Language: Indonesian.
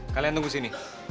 kalian tunggu sini